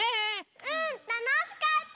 うんたのしかった！